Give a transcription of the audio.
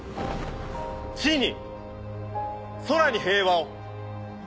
地に空に平和を。